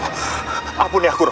jangan bagi aku romo